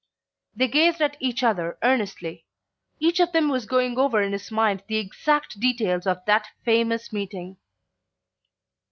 They gazed at each other earnestly. Each of them was going over in his mind the exact details of that famous meeting.